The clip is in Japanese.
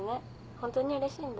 ホントにうれしいんだ。